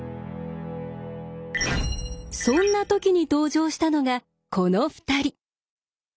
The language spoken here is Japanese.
そんなときに登場したのがこの２人。